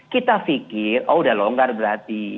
kita pikir oh udah longgar berarti